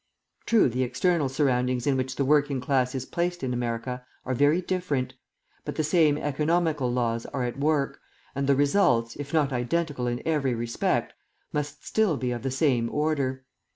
True, the external surroundings in which the working class is placed in America are very different, but the same economical laws are at work, and the results, if not identical in every respect, must still be of the same order.